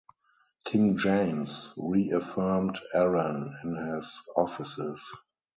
King James reaffirmed Arran in his offices.